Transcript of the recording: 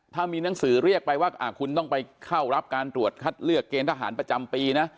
ถ้ามีหนังสือเรียกไปว่าคุณต้องไปเข้ารับการตรวจคัดเลือกเกณฑ์ทหารประจำปีนะ